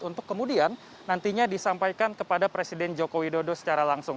untuk kemudian nantinya disampaikan kepada presiden joko widodo secara langsung